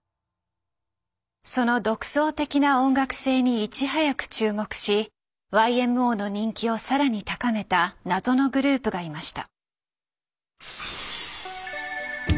その独創的な音楽性にいち早く注目しＹＭＯの人気を更に高めた謎のグループがいました。